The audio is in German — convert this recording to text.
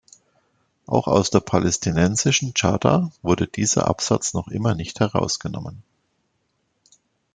Auch aus der palästinensischen Charta wurde dieser Absatz noch immer nicht herausgenommen.